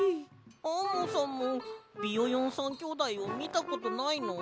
アンモさんもビヨヨン３きょうだいをみたことないの？